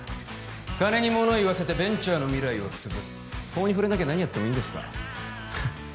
金に物を言わせてベンチャーの未来をつぶす法に触れなきゃ何やってもいいんですか？